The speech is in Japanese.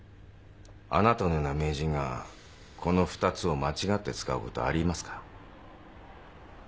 あなたのような名人がこの２つを間違って使うことはありえますか？